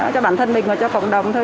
cho bản thân mình và cho cộng đồng thôi